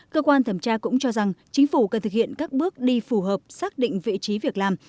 cơ quan thẩm tra cũng cho rằng chính phủ cần thực hiện các bước đi phù hợp xác định vị trí việc làm